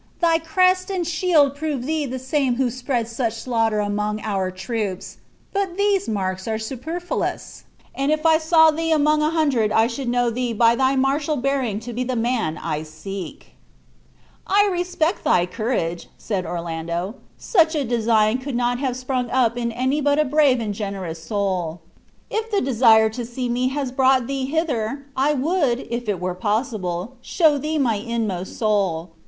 Thy crest and shield prove thee the same who spread such slaughter among our troops. But these marks are superfluous, and if I saw thee among a hundred I should know thee by thy martial bearing to be the man I seek." "I respect thy courage," said Orlando; "such a design could not have sprung up in any but a brave and generous soul. If the desire to see me has brought thee hither, I would, if it were possible, show thee my inmost soul.